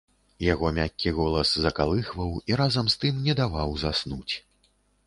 Яго мяккі голас закалыхваў і разам з тым не даваў заснуць.